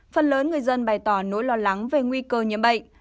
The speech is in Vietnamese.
phần lớn người dân bày tỏ nỗi lo lắng về nguy cơ nhiễm bệnh